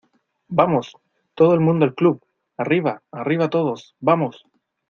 ¡ vamos! ¡ todo el mundo al club !¡ arriba, arriba todos , vamos !